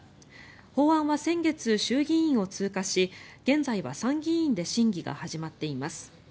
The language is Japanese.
法案は先月、衆議院を通過し現在は参議院で審議が始まっています。